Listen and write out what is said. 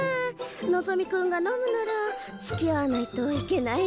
のぞみ君が飲むならつきあわないといけないなあ。